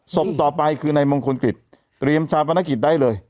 ศพต่อไปคือในมงคลกฤษเตรียมชาปนกิจได้เลย